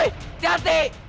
wuih tiap hati